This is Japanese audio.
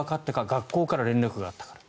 学校から連絡があったから。